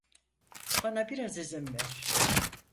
Bana biraz izin ver.